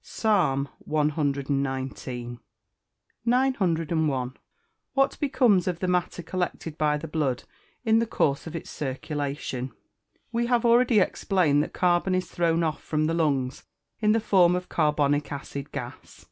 PSALM CXIX.] 901. What becomes of the matter collected by the blood in the course of its circulation? We have already explained that carbon is thrown off from the lungs in the form of carbonic acid gas.